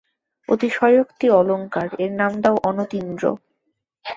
অতিশয়োক্তি অলংকার, এর নাম দাও অনতীন্দ্র।